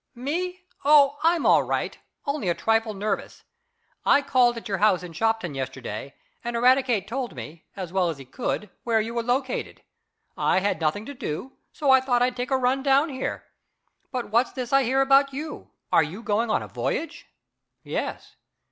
"Me? Oh, I'm all right; only a trifle nervous. I called at your house in Shopton yesterday, and Eradicate told me, as well as he could, where you were located. I had nothing to do, so I thought I'd take a run down here. But what's this I hear about you? Are you going on a voyage?" "Yes."